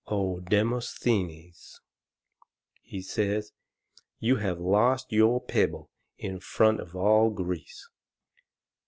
O Demosthenes!" he says, "you have lost your pebble in front of all Greece."